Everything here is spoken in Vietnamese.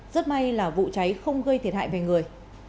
rất may là vụ cháy không gây thiệt hại về người